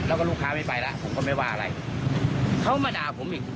แล้วก็ลูกค้าไม่ไปแล้วผมก็ไม่ว่าอะไรเขามาด่าผมอีก